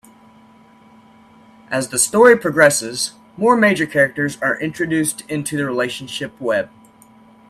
As the story progresses, more major characters are introduced into the relationship web.